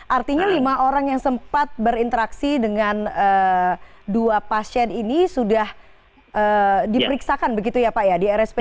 artinya lima orang yang sempat berinteraksi dengan dua pasien ini sudah diperiksakan begitu ya pak ya di rspi